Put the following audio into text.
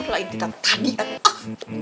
lain kita tadi aden